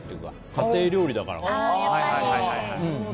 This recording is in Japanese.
家庭料理だからかな。